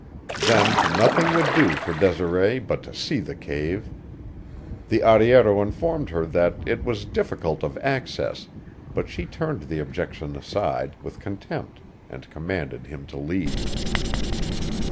Then nothing would do for Desiree but to see the cave. The arriero informed her that it was difficult of access, but she turned the objection aside with contempt and commanded him to lead.